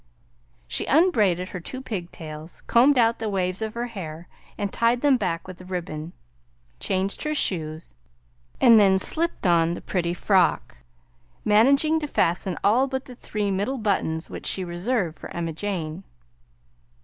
She unbraided her two pig tails, combed out the waves of her hair and tied them back with a ribbon, changed her shoes, and then slipped on the pretty frock, managing to fasten all but the three middle buttons, which she reserved for Emma Jane.